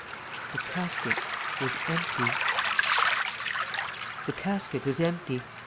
The casket was empty. The casket was empty.